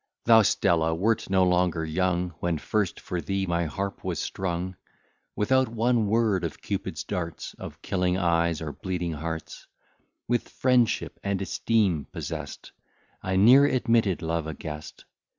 Thou, Stella, wert no longer young, When first for thee my harp was strung, Without one word of Cupid's darts, Of killing eyes, or bleeding hearts; With friendship and esteem possest, I ne'er admitted Love a guest.